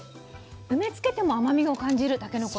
梅つけても甘みを感じるたけのこ。